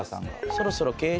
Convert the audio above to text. そろそろ。